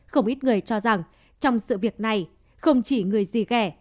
không ít người cho rằng trong sự việc này không chỉ người gì ghẻ